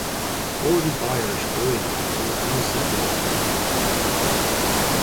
Gordon Biersch Brewing Company has won several American awards.